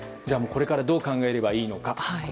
これからどう考えればいいのか。